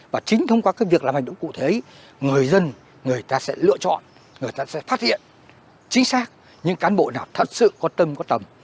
và chính thông qua việc làm hành động cụ thể người dân người ta sẽ lựa chọn người ta sẽ phát hiện chính xác những cán bộ nào thật sự có tâm có tầm